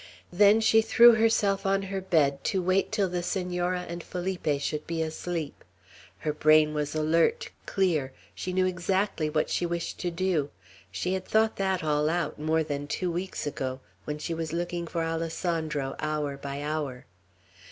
Then she threw herself on her bed, to wait till the Senora and Felipe should be asleep. Her brain was alert, clear. She knew exactly what she wished to do. She had thought that all out, more than two weeks ago, when she was looking for Alessandro hour by hour.